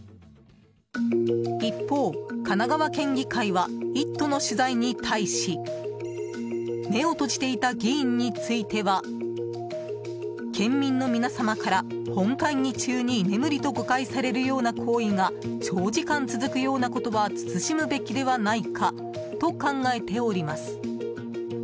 一方、神奈川県議会は「イット！」の取材に対し目を閉じていた議員については県民の皆様から本会議中に居眠りと誤解されるような行為が長時間続くようなことは慎むべきではないかと考えております。